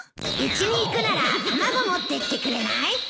うちに行くなら卵持ってってくれない？